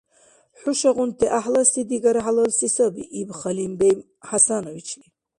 — ХӀушагъунти гӀяхӀлас се-дигара хӀялалси саби, — иб Халимбей ХӀясановичли.